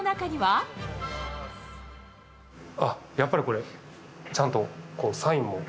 やっぱりこれ、ちゃんとサインも。